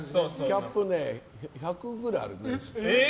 キャップ１００個ぐらいあるね。